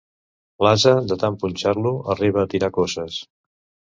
L'ase, de tant punxar-lo, arriba a tirar coces.